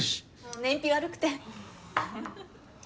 燃費悪くて。